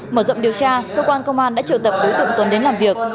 mở rộng điều tra cơ quan công an đã triệu tập đối tượng tuấn đến làm việc